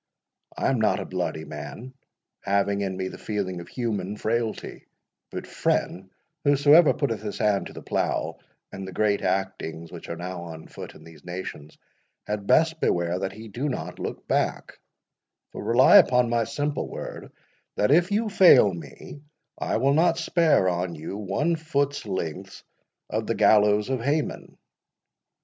I am not a bloody man, having in me the feeling of human frailty; but, friend, whosoever putteth his hand to the plough, in the great actings which are now on foot in these nations, had best beware that he do not look back; for, rely upon my simple word, that if you fail me, I will not spare on you one foot's length of the gallows of Haman.